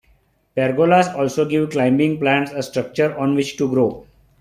Pergolas also give climbing plants a structure on which to grow.